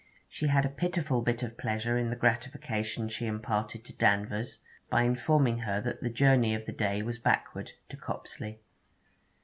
She had a pitiful bit of pleasure in the gratification she imparted to Danvers, by informing her that the journey of the day was backward to Copsley.